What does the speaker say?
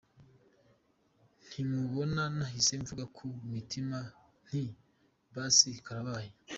Nkimubona nahise mvuga ku mutima nti basi karabaye.